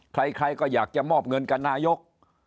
ใครก็อยากจะมอบเงินกับนายก